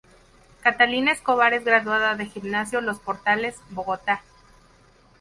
Catalina Escobar es graduada de Gimnasio Los Portales, Bogotá.